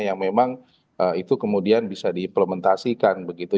yang memang itu kemudian bisa diimplementasikan begitu